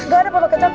gak ada botol kecap